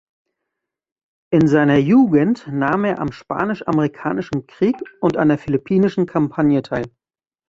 In seiner Jugend nahm er am Spanisch-Amerikanischen Krieg und an der Philippinischen Kampagne teil.